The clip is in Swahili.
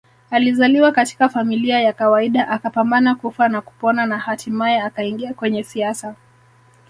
Alizaliwa katika familia ya kawaida akapambana kufa na kupona na hatimaye akaingia kwenye siasa